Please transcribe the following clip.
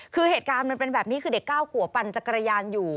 คือเหตุการณ์มันเป็นแบบนี้คือเด็ก๙ขวบปั่นจักรยานอยู่